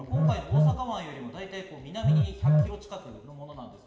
今回の大阪湾よりも南に１００キロ近くのものです。